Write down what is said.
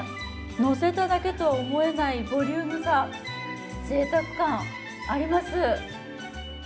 乗せただけとは思えないボリュームさ、贅沢感あります。